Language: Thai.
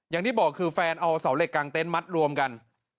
อย่างที่บอกคือแฟนเอาเสาเหล็กกลางเต็นต์มัดรวมกัน